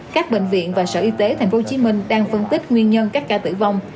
các bệnh viện và sở y tế tp hcm đang phân tích nguyên nhân các ca tử vong